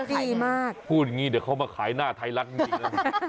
ดีมากพูดงี้เดี๋ยวเขามาขายหน้าไทยลักษณ์จริง